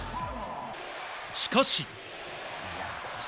しかし。